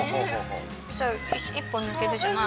・１本抜けるじゃない。